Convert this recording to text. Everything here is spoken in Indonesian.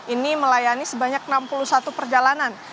ini melayani sebanyak enam puluh satu perjalanan